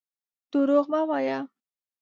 درواغ مه وايه.